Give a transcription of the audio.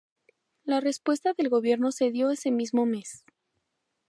La respuesta del gobierno se dio ese mismo mes.